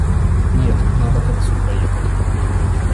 Нет, надо к отцу проехать.